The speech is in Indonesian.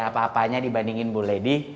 apa apanya dibandingin bu lady